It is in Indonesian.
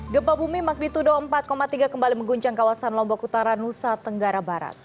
gempa bumi magnitudo empat tiga kembali mengguncang kawasan lombok utara nusa tenggara barat